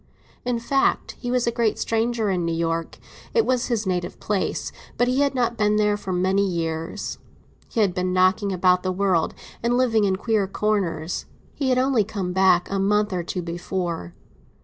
In fact, he was a great stranger in New York. It was his native place; but he had not been there for many years. He had been knocking about the world, and living in far away lands; he had only come back a month or two before.